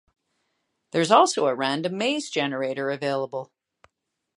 There's also a random maze generator available.